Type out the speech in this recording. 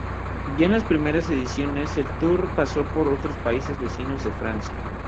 Ya en las primeras ediciones el Tour pasó por otros países vecinos de Francia.